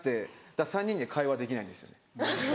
だから３人で会話できないんですよね。